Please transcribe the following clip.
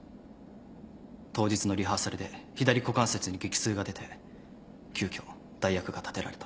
当日のリハーサルで左股関節に激痛が出て急きょ代役が立てられた。